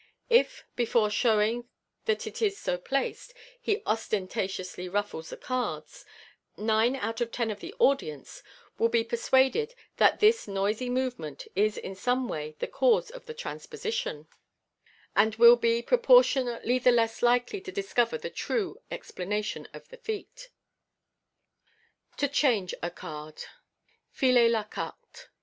If, before showing that it is so placed, he ostentatiously ruffles the cards, nine out of ten of the audience will be persuaded that this noisy movement is in some way the cause of the transposition, and will be proportionately the less likely to discover the true explanation of the feat. To " Change " a Card. {Filer la Carte.')